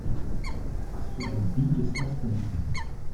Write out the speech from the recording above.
Was für ein Beat ist das denn?